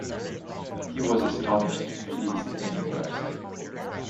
He was astonished, pleased and impressed.